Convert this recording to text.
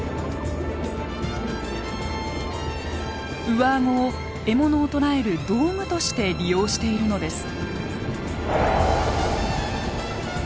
上顎を獲物を捕らえる道具として利用しているのです。